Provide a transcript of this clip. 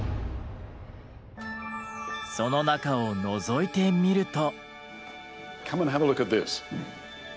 その中をのぞいてみると。